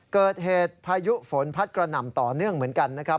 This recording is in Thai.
พายุฝนพัดกระหน่ำต่อเนื่องเหมือนกันนะครับ